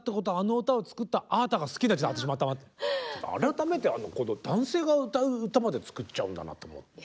改めて男性が歌う歌まで作っちゃうんだなと思って。